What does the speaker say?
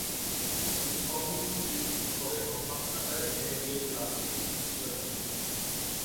কিন্তু প্রথম স্ত্রীর ঘরে সন্তান থাকায় মেয়ে বিয়েতে রাজি হচ্ছিলেন না।